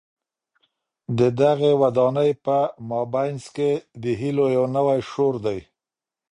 د دغي ودانۍ په مابينځ کي د هیلو یو نوی شور دی.